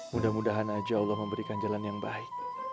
mudah mudahan aja allah memberikan jalan yang baik